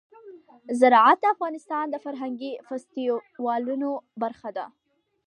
زراعت د افغانستان د فرهنګي فستیوالونو برخه ده.